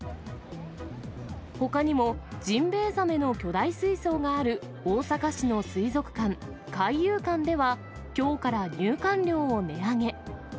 ほかにもジンベイザメの巨大水槽がある大阪市の水族館、海遊館では、きょうから入館料を値上げ。